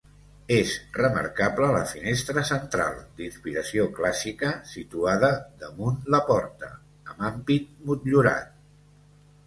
És remarcable la finestra central, d'inspiració clàssica, situada damunt la porta, amb ampit motllurat.